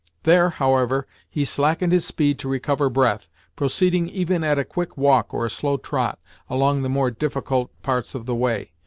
There, however, he slackened his speed to recover breath, proceeding even at a quick walk, or a slow trot, along the more difficult parts of the way.